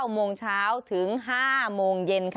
โมงเช้าถึง๕โมงเย็น